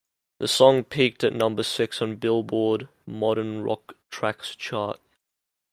The song peaked at number six on "Billboard" Modern Rock Tracks chart.